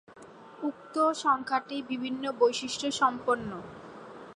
উক্ত সংখ্যাটি বিভিন্ন বৈশিষ্ট্য সম্পন্ন।